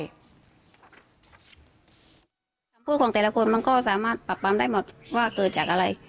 คำพูดของแต่ละคนมันก็สามารถปรับปรามได้หมดว่าเกิดจากอะไร